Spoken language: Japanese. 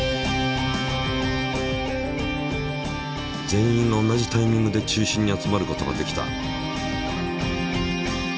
全員が同じタイミングで中心に集まることができた。